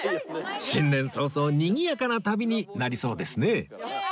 新年早々にぎやかな旅になりそうですね